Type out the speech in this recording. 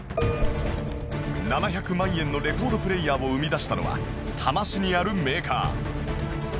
７００万円のレコードプレーヤーを生み出したのは多摩市にあるメーカー